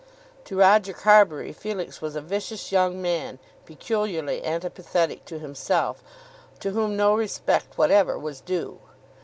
To Roger Carbury, Felix was a vicious young man, peculiarly antipathetic to himself, to whom no respect whatever was due.